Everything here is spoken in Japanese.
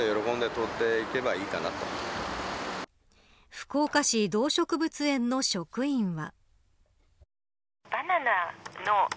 福岡市動植物園の職員は。